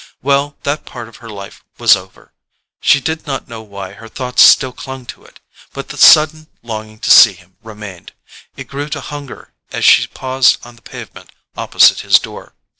Well, that part of her life was over; she did not know why her thoughts still clung to it. But the sudden longing to see him remained; it grew to hunger as she paused on the pavement opposite his door.